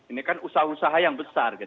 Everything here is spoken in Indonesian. ini kan usaha usaha yang besar